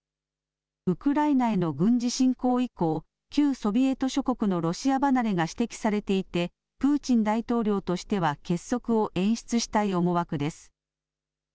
ウクライナへの軍事侵攻以降、旧ソビエト諸国のロシア離れが指摘されていてプーチン大統領としては結束を演出したい思惑です。